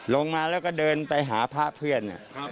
ลงมาแล้วก็เดินไปหาพระเพื่อน